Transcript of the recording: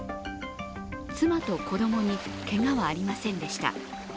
妻と子供にけがはありませんでした。